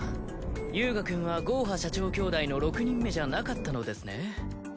遊我くんはゴーハ社長兄弟の６人目じゃなかったのですね。